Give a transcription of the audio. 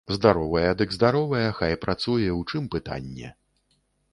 Здаровая, дык здаровая, хай працуе, у чым пытанне.